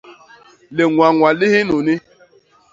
Liñwañwa li hinuni.